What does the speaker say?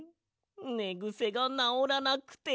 ねぐせがなおらなくて。